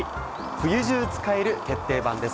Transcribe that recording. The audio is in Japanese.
冬中使える決定版です。